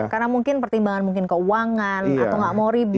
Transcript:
karena mungkin pertimbangan keuangan atau tidak mau ribet